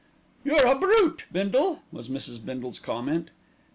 "You're a brute, Bindle!" was Mrs. Bindle's comment.